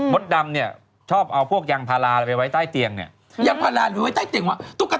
คุณต้องไปทำความสะอาด